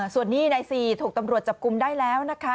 ส่วนนี้นายซีถูกตำรวจจับกลุ่มได้แล้วนะคะ